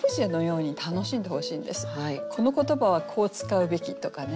「この言葉はこう使うべき」とかね